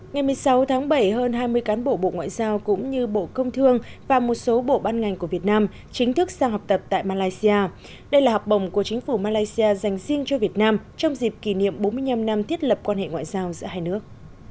ngày một mươi sáu tháng bảy hơn hai mươi cán bộ bộ ngoại giao cũng như bộ công thương và một số bộ ban ngành của việt nam chính thức sang học tập tại malaysia đây là học bồng của chính phủ malaysia dành riêng cho việt nam trong dịp kỷ niệm bốn mươi năm năm thiết lập quan hệ ngoại giao giữa hai nước